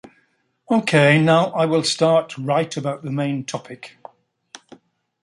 Okay now I will start write about the main topic.